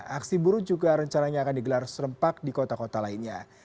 aksi buruh juga rencananya akan digelar serempak di kota kota lainnya